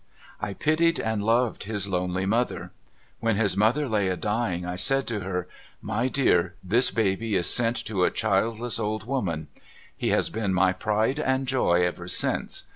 ' I pitied and loved his lonely mother. When his mother lay a dying I said to her, " My dear, this baby is sent to a childless old woman." He has been my pride and joy ever since.